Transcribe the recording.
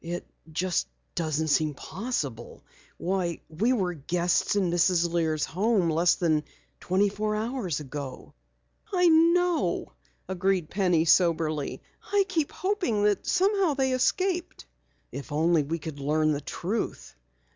"It just doesn't seem possible. Why, we were guests in Mrs. Lear's home less than twenty four hours ago." "I know," agreed Penny soberly. "I keep hoping that somehow they escaped." "If only we could learn the truth."